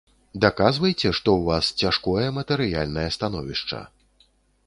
Даказвайце, што ў вас цяжкое матэрыяльнае становішча.